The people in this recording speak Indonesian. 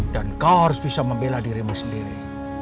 dan kau harus bisa membela dirimu sendiri